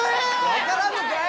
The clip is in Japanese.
分からんのかい！